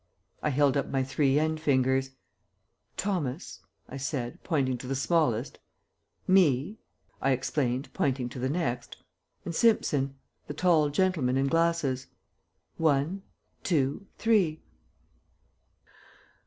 I held up my three end fingers. "Thomas," I said, pointing to the smallest, "me," I explained, pointing to the next, "and Simpson, the tall gentleman in glasses. One, two, three."